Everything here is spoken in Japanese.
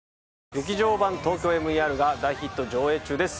劇場版「ＴＯＫＹＯＭＥＲ」が大ヒット上映中です